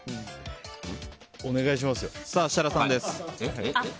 設楽さんです。